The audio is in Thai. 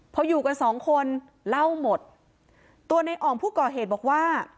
พออยู่กันสองคนเล่าหมดตัวในอ่องผู้ก่อเหตุบอกว่า